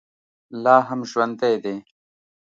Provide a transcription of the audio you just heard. لا هم ژوندی دی.